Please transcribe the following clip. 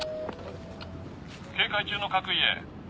警戒中の各位へ。